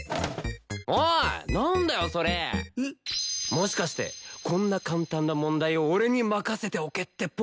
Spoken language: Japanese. もしかしてこんな簡単な問題俺に任せておけってポーズか？